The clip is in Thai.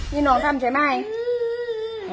นี่น้องทำใช่ไหม